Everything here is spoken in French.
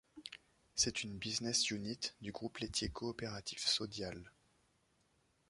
C'est une Business Unit du groupe laitier coopératif Sodiaal.